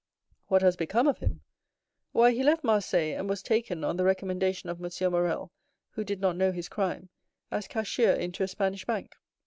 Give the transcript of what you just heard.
"What has become of him? Why, he left Marseilles, and was taken, on the recommendation of M. Morrel, who did not know his crime, as cashier into a Spanish bank.